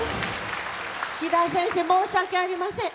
キダ先生申し訳ありません。